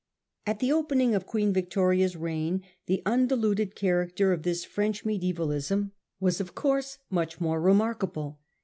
At the opening of Queen Victoria's reign, the undiluted character of this French medievalism was of course much more remarkable.